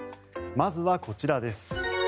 まずはこちらです。